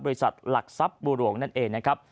บริษัทหลักทรัพย์บัวหลวงนั่นเองนะครับ